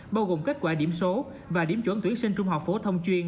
bao gồm kết quả điểm số và điểm chuẩn tuyển sinh trung học phổ thông chuyên